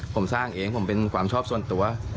ผมสร้างเองผมเป็นความชอบส่วนตัว